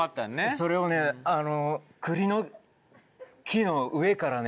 それをあの栗の木の上からね